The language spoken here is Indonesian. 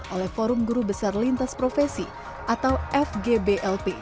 oleh forum guru besar lintas profesi atau fgblp